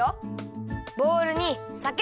ボウルにさけ。